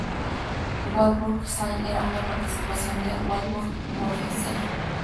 Waldburg-Zeil era una partición de Waldburg-Wolfegg-Zeil.